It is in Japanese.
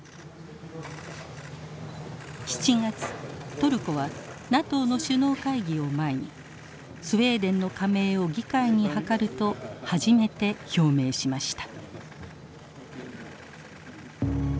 トルコはＮＡＴＯの首脳会議を前にスウェーデンの加盟を議会にはかると初めて表明しました。